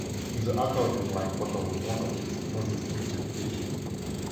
The accordion-like bottle was one of its most distinctive features.